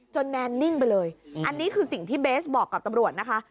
แนนนิ่งไปเลยอันนี้คือสิ่งที่เบสบอกกับตำรวจนะคะ